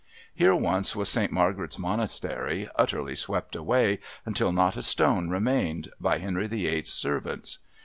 Here once was Saint Margaret's Monastery utterly swept away, until not a stone remained, by Henry VIII.'s servants.